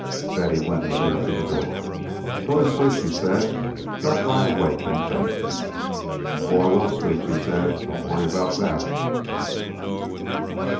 Betty went with her to the door. "Go to sleep," she said. "Don't lie awake and think." "Oh, I will sleep," she said. "Don't worry about that."